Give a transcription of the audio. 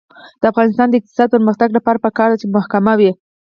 د افغانستان د اقتصادي پرمختګ لپاره پکار ده چې محکمه وي.